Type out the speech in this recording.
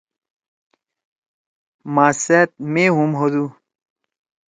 ماس سیت مے ہُم ہودُو۔